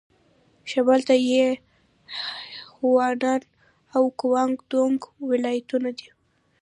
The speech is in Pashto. شمال ته یې هونان او ګوانګ دونګ ولايتونه دي.